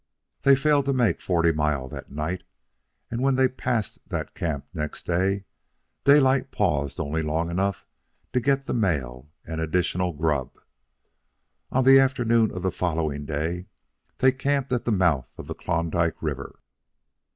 They failed to make Forty Mile that night, and when they passed that camp next day Daylight paused only long enough to get the mail and additional grub. On the afternoon of the following day they camped at the mouth of the Klondike River.